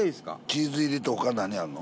チーズ入りと他何あんの？